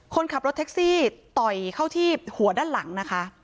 คนขับรถแท็กซี่ต่อยเข้าที่หัวด้านหลังนะคะ